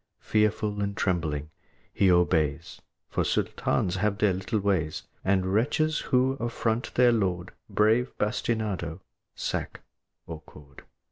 Fearful and trembling, he obeys, For Sultans have their little ways, And wretches who affront their lord Brave bastinado, sack, or cord.